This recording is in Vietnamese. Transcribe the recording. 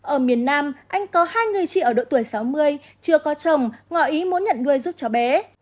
ở miền nam anh có hai người chị ở độ tuổi sáu mươi chưa có chồng ngọ ý muốn nhận nuôi giúp chó bé